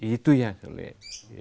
itu yang sulit